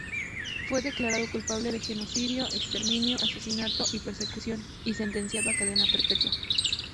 Fue declarado culpable de genocidio, exterminio, asesinato y persecución y sentenciado a cadena perpetua.